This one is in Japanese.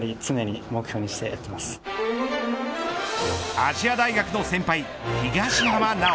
亜細亜大学の先輩、東浜巨。